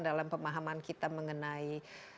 dalam pemahaman kita mengenai